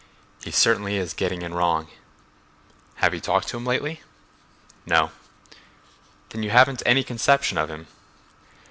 "He certainly is getting in wrong." "Have you talked to him lately?" "No." "Then you haven't any conception of him."